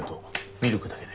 ミルクだけで。